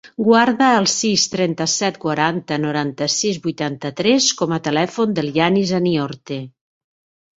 Guarda el sis, trenta-set, quaranta, noranta-sis, vuitanta-tres com a telèfon del Yanis Aniorte.